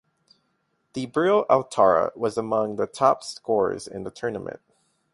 Djibril Ouattara was among the top scorers in the tournament.